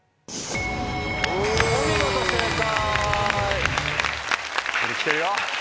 お見事正解。